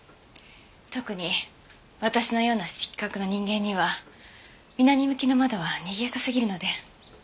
特に私のような色覚の人間には南向きの窓はにぎやかすぎるので。